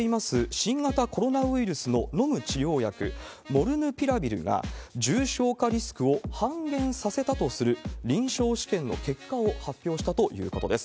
新型コロナウイルスの飲む治療薬、モルヌピラビルが重症化リスクを半減させたとする臨床試験の結果を発表したということです。